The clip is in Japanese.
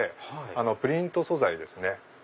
プリント素材ですね。